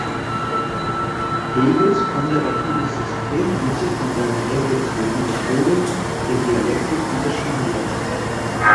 Hegels konservatives System müsse von seiner revolutionären Methode der Dialektik unterschieden werden.